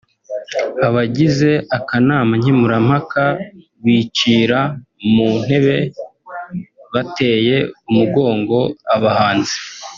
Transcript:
abagize akanama nkemurampaka bicira mu ntebe bateye umugongo abahanzi